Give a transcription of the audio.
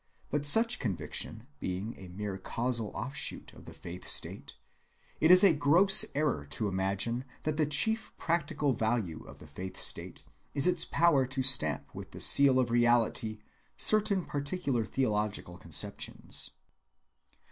But such conviction being a mere casual offshoot of the faith‐state, it is a gross error to imagine that the chief practical value of the faith‐state is its power to stamp with the seal of reality certain particular theological conceptions.